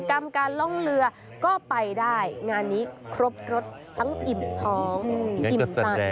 กิจกรรมการล่องเรือก็ไปได้งานนี้ครบรสทั้งอิมท้องอิมตาจารกรรตัส